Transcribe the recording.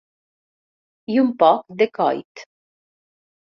I un poc de coit.